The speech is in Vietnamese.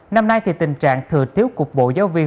năm nay thì tình trạng thừa thiếu cục bộ giáo viên